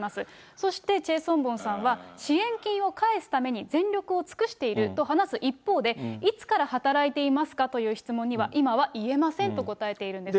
そして、チェ・ソンボンさんは、支援金を返すために全力を尽くしていると話す一方で、いつから働いていますかという質問には、今は言えませんと答えているんです。